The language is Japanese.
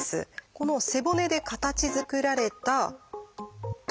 この背骨で形づくられたトンネル。